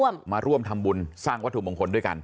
มาร่วมทำบุญสร้างวัตถุมงคลด้วยกัน